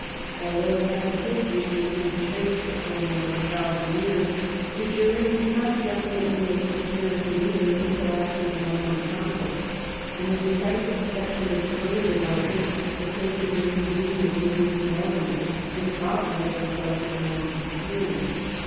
1 Although it has a history which can be traced for more than a thousand years, the jury does not definitely make its appearance in England until after the Norman Con quest, and the decisive steps in its further development were taken during the union of England and Normandy and probably as a result of Norman experience.